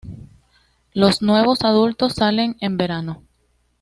Los nuevos adultos salen en verano.